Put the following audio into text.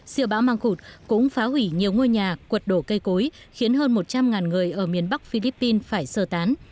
siêu bão mang khụt cũng phá hủy nhiều ngôi nhà quật đổ cây cối khiến hơn một trăm linh người ở miền bắc philippines phải sơ tán